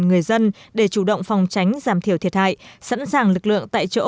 người dân để chủ động phòng tránh giảm thiểu thiệt hại sẵn sàng lực lượng tại chỗ